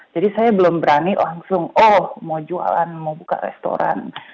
jadi saya belum berani langsung oh mau jualan mau buka restoran